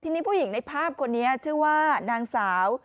ทีนี้ผู้หญิงในภาพคนนี้ชื่อว่านางสาว